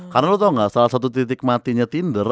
karena lu tau gak salah satu titik matinya tinder